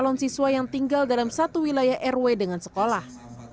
dan juga bagi siswa yang tinggal dalam satu wilayah rw dengan sekolah